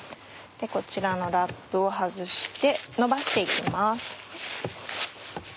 こちらのラップを外してのばして行きます。